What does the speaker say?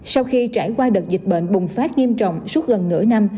sau khi trải qua đợt dịch bệnh bùng phát nghiêm trọng suốt gần nửa năm